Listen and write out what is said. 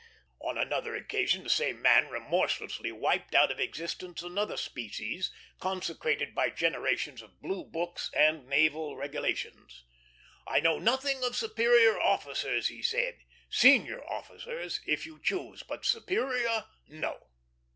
On another occasion the same man remorselessly wiped out of existence another species, consecrated by generations of blue books and Naval Regulations. "I know nothing of superior officers," he said; "senior officers, if you choose; but superior, no!"